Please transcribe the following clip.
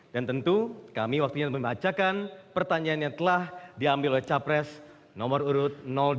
dan tentu kami waktunya memacakan pertanyaan yang telah diambil oleh capres nomor urut dua